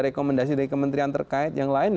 rekomendasi dari kementerian terkait yang lain